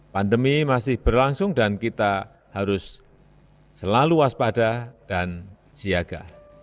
pandemi masih berlangsung dan kita harus selalu waspada dan siaga